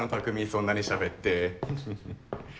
そんなにしゃべってふふふっ。